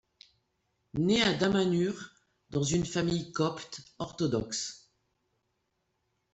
Né à Damanhur, dans une famille copte orthodoxe.